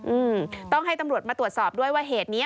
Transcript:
อืมต้องให้ตำรวจมาตรวจสอบด้วยว่าเหตุนี้